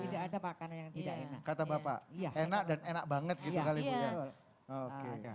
tidak ada makanan yang tidak enak